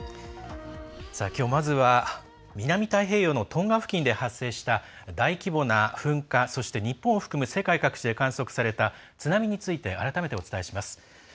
きょう、まずは南太平洋のトンガ付近で発生した大規模な噴火そして、日本を含む世界各地で観測された津波について改めてお伝えします。